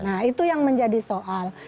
nah itu yang menjadi soal